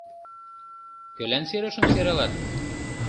Кӧлан серышым сералат?